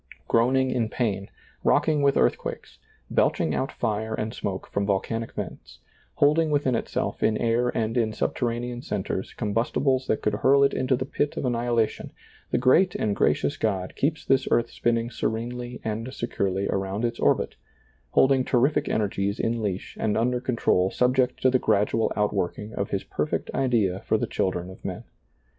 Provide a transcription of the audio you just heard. Groaning in pain, rocking with earthquakes, belching out fire and smoke from volcanic vents, holding within itself in air and in subterranean centers combustibles that could hurl it into the pit of annihilation, the great and gracious God keeps this earth spinning serenely and securely around its orbit, holding terrific energies in leash and under control subject to the gradual out working of His perfect idea for the children of men.